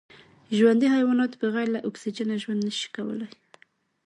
ژوندي حیوانات بغیر له اکسېجنه ژوند نشي کولای